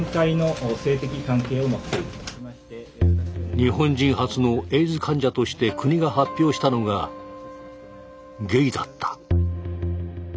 日本人初のエイズ患者として国が発表したのがゲイだった。